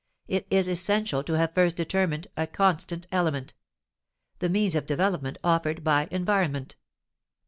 it is essential to have first determined a constant element: the means of development offered by environment.